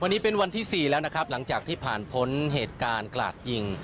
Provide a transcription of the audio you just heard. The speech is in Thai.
วันนี้เป็นวันที่๔แล้วนะครับหลังจากที่ผ่านพ้นเหตุการณ์กลาดยิง